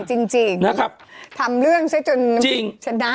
เก่งจริงทำเรื่องใช้จนชนะ